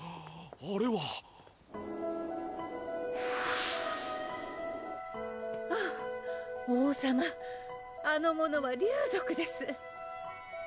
あれはあぁ王さまあの者は竜族です